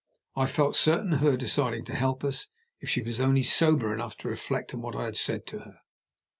I felt certain of her deciding to help us, if she was only sober enough to reflect on what I had said to her.